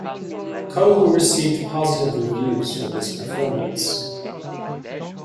Cohu received positive reviews for this performance.